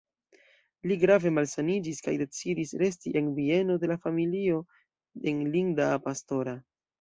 Li grave malsaniĝis kaj decidis resti en bieno de la familio en Linda-a-Pastora.